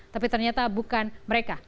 tapi ternyata bukan mereka